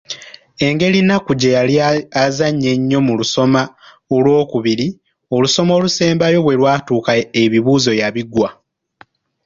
Engeri Nnakku gye yali azannya ennyo mu lusoma olw’okubiri, olusoma olwasembayo bwe lwatuuka ebibuuzo yabiggwa.